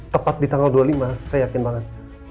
tepat di tanggal dua puluh lima saya yakin banget